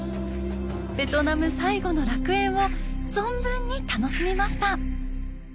ベトナム最後の楽園を存分に楽しみました。